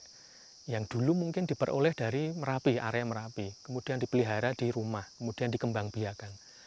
nah yang dulu mungkin diperoleh dari merapi area merapi kemudian dipelihara di rumah kemudian dikembang biakan